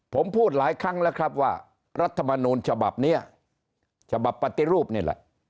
ผมพูดหลายครั้งแล้วครับว่ารัฐมนูลฉบับนี้ฉบับปฏิรูปนี่แหละ